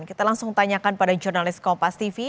kita langsung tanyakan pada jurnalis kompastv